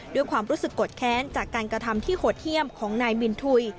ด้วยความรู้สึกโกรธแค้นจากการกระทำที่โหดเยี่ยมของนายมินทุย